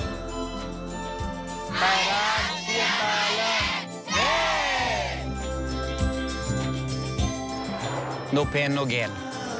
ไม่มีอย่างกัน